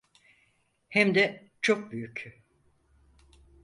Hem de çok büyük.